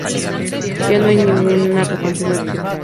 Ya no hay ninguna que continúe activa.